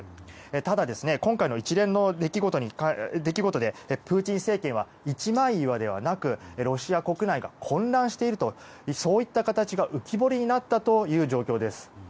ただ、今回の一連の出来事でプーチン政権は一枚岩ではなくロシア国内が混乱していると、そういった形が浮き彫りになったという状況です。